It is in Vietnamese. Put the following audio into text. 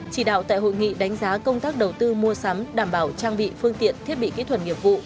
chỉ đạo tại hội nghị đánh giá công tác đầu tư mua sắm đảm bảo trang bị phương tiện thiết bị kỹ thuật nghiệp vụ